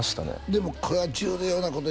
でもこれは重要なこと